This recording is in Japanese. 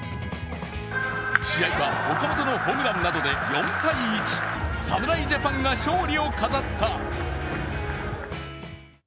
試合は岡本のホームランなどで４−１、侍ジャパンが勝利を飾った。